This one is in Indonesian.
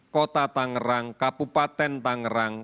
kota tangerang kabupaten tangerang